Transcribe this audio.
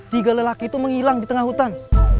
tiga lelaki itu menghilang di tengah hutan